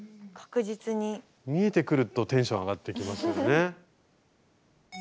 見えてくるとテンション上がってきますよね。